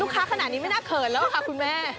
ค้าขนาดนี้ไม่น่าเขินแล้วค่ะคุณแม่